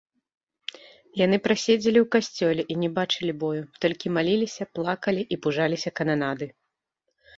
Яны праседзелі ў касцёле і не бачылі бою, толькі маліліся, плакалі і пужаліся кананады.